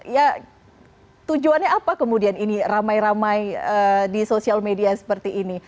ya tujuannya apa kemudian ini ramai ramai di sosial media seperti ini